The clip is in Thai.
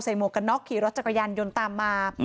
หมวกกันน็อกขี่รถจักรยานยนต์ตามมา